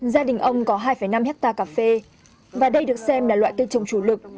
gia đình ông có hai năm hectare cà phê và đây được xem là loại cây trồng chủ lực